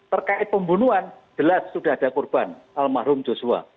terkait pembunuhan jelas sudah ada korban al mahrum joshua